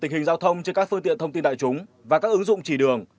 tình hình giao thông trên các phương tiện thông tin đại chúng và các ứng dụng chỉ đường